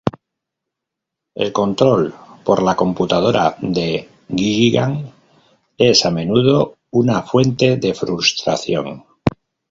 El control por la computadora de Gilligan es a menudo una fuente de frustración.